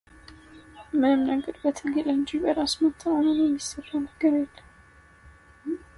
ምንም ነገር በትግል እንጂ በራስ መተማመን የሚሰራው ነገር የለም፡፡